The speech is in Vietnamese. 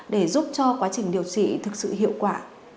để giúp cho quá trình điều trị thực sự hiệu quả